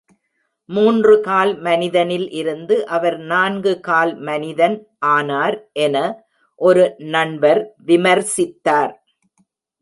"மூன்று கால்-மனிதனில் இருந்து அவர் நான்கு-கால் மனிதன்"ஆனார் என ஒரு நண்பர் விமர்சித்தார்.